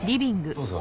どうぞ。